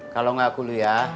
kalau gak kuliah